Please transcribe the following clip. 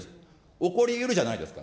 起こりうるじゃないですか。